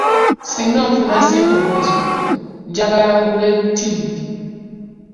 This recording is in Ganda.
Singa nfuna ssente omwezi guno njagala ngule ttivvi.